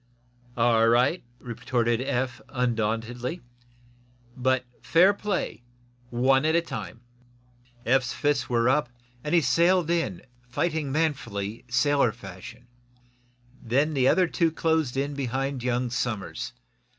"All right," retorted Eph, undauntedly. "But fair play one at a time." Eph's fists were up, and he sailed in, fighting manfully, sailor fashion. Then the other two closed in behind young Somers.